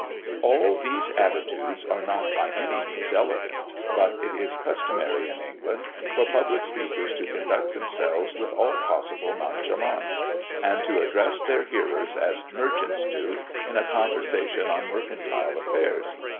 All these attitudes are not by any means elegant; but it is customary in England for public speakers to conduct themselves with all possible nonchalance, and to address their hearers as merchants do in a conversation on mercantile affairs.